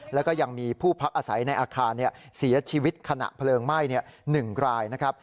แล้วก็ยังมีผู้พักอาศัยในอาคารเสียชีวิตขณะเพลิงไหม้๑รายนะครับ